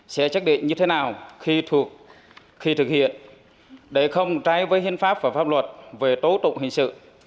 sẽ chắc định như thế nào khi thực hiện để không trái với hiên pháp và pháp luật về tố tụng hình sự